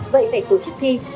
vậy phải tổ chức thi